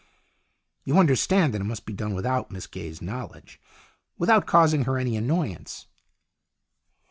" You understand that it must be done without Miss Gaye's knowledge, without causing her any annoyance."